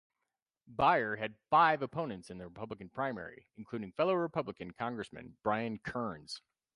Buyer had five opponents in the Republican primary, including fellow Republican congressman Brian Kerns.